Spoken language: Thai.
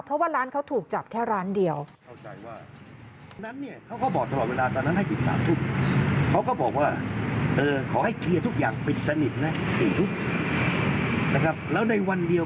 เพราะว่าร้านเขาถูกจับแค่ร้านเดียว